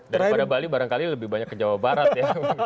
daripada bali barangkali lebih banyak ke jawa barat ya